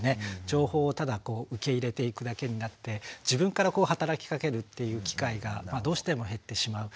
情報をただこう受け入れていくだけになって自分から働きかけるっていう機会がどうしても減ってしまう。